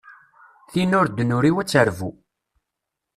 Tin ur d-nuriw ad d-terbu.